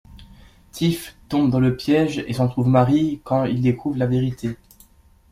Tif tombe dans le piège et s'en trouve marri quand il découvre la vérité.